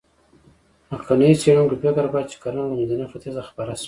مخکېنو څېړونکو فکر کاوه، چې کرنه له منځني ختیځ خپره شوه.